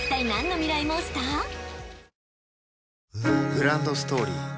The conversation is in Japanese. グランドストーリー